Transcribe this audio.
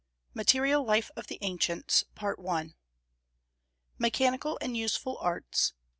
MATERIAL LIFE OF THE ANCIENTS. MECHANICAL AND USEFUL ARTS.